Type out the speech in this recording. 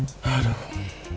masih lama banget sih